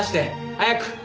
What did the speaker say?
早く！